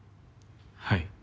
はい。